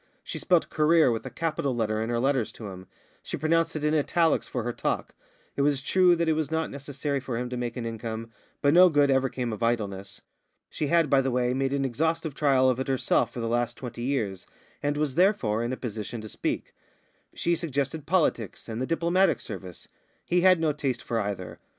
She spelt career with a capital letter in her letters to him; she pronounced it in italics in her talk. It was true that it was not necessary for him to make an income, but no good ever came of idleness. She had, by the way, made an exhaustive trial of it herself for the last twenty years, and was, therefore, in a position to speak. She suggested politics and the Diplomatic Service; he had no taste for either.